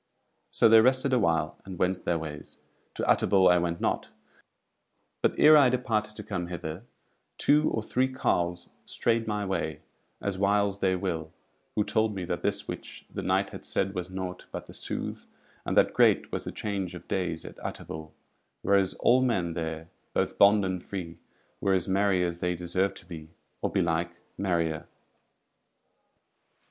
So they rested a while, and then went their ways. To Utterbol I went not, but ere I departed to come hither two or three carles strayed my way, as whiles they will, who told me that this which the knight had said was naught but the sooth, and that great was the change of days at Utterbol, whereas all men there, both bond and free, were as merry as they deserved to be, or belike merrier."